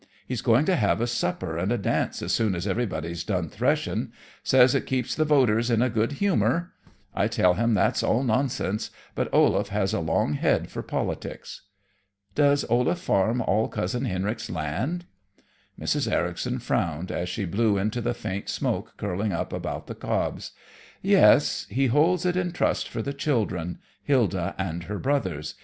He's going to have a supper and a dance as soon as everybody's done threshing. Says it keeps the voters in a good humor. I tell him that's all nonsense; but Olaf has a long head for politics." "Does Olaf farm all Cousin Henrik's land?" Mrs. Ericson frowned as she blew into the faint smoke curling up about the cobs. "Yes; he holds it in trust for the children, Hilda and her brothers.